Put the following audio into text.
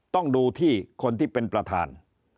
ต้องดูที่คนที่เป็นประธาน